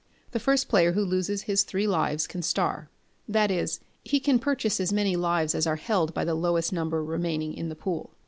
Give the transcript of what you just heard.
The first player who loses his three lives can star: that is, he can purchase as many lives as are held by the lowest number remaining in the pool.